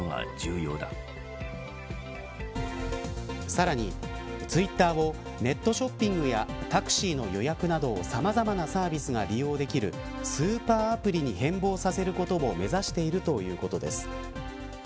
さらにツイッターをネットショッピングやタクシーの予約などさまざまなサービスが利用できるスーパーアプリに変貌させることを目指しているということです。